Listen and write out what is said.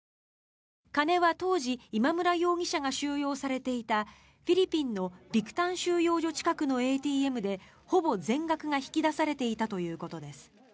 金は、当時、今村容疑者が収容されていたフィリピンのビクタン収容所近くのＡＴＭでほぼ全額が引き出されていたということです。